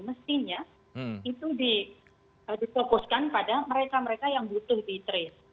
mestinya itu difokuskan pada mereka mereka yang butuh di trace